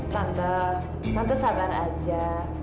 tante tante sabar aja